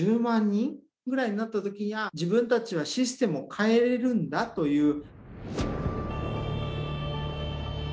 人ぐらいになった時にああ自分たちはシステムを変えれるんだという。